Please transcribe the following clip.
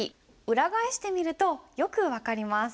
裏返してみるとよく分かります。